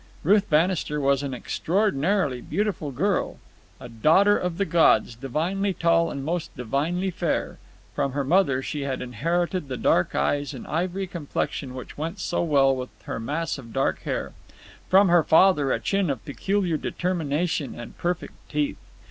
Ruth Bannister was an extraordinarily beautiful girl, "a daughter of the gods, divinely tall, and most divinely fair." From her mother she had inherited the dark eyes and ivory complexion which went so well with her mass of dark hair; from her father a chin of peculiar determination and perfect teeth.